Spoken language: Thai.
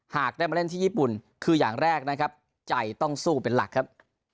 หากได้มาเล่นที่ญี่ปุ่นคืออย่างแรกนะครับใจต้องสู้เป็นหลักครับ